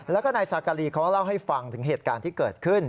แล้วก็นายซากาลีเขาเล่าให้ฟังถึงเหตุการณ์ที่เกิดขึ้น